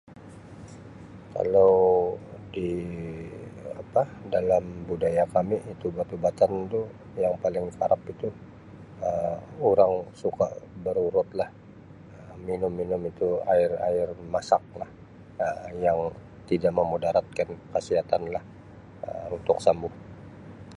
Kalau di apa dalam budaya kami ubat-ubatan itu yang paling kerap itu Um orang suka berurutlah, Um minum-minum itu air-air masaklah Um yang tidak memudaratkan kesihatanlah Um untuk sambuh.